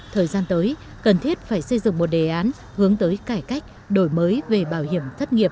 thời gian tới cần thiết phải xây dựng một đề án hướng tới cải cách đổi mới về bảo hiểm thất nghiệp